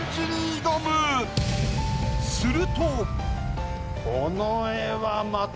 すると。